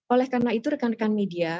oleh karena itu rekan rekan media